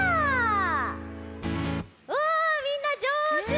うわみんなじょうず。